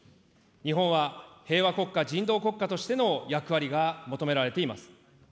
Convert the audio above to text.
日本は平和国家、人道国家としての役割が求められています。